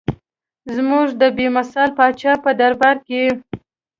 زموږ د بې مثال پاچا په دربار کې.